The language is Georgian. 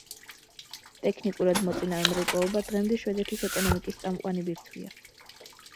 ტექნიკურად მოწინავე მრეწველობა დღემდე შვედეთის ეკონომიკის წამყვანი ბირთვია.